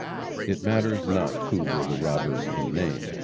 It matters not who were the robbers in name.